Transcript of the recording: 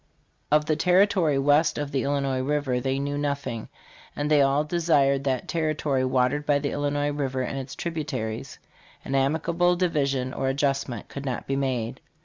"Of the territory west of the Illinois river they knew nothing, and they 62 STARVED'ROCK : A HISTORICAL SKETCH. all desired that territory watered by the Illinois river and its tributaries. An amicable division or adjustment could not be made.